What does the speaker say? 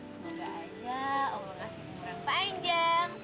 semoga aja omong asli umuran panjang